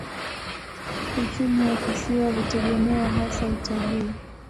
Uchumi wa kisiwa hutegemea hasa utalii.